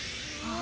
あ。